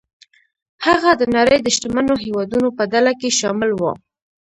هغه د نړۍ د شتمنو هېوادونو په ډله کې شامل و.